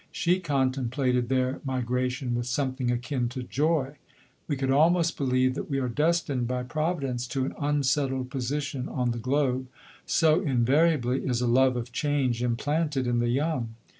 She contemplated their migra tion with something akin to joy. We could almost believe that we are destined by Provi dence to an unsettled position on the globe, so invariably is a love of change implanted in tlu young.